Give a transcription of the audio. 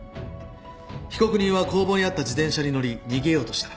被告人は工房にあった自転車に乗り逃げようとした。